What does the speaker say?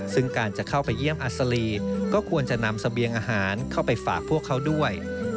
ซึ่งการจะเข้าไปเยี่ยมอัศรีก็ควรจะนำเสบียงอาหารเข้าไปฝากพวกเขาด้วย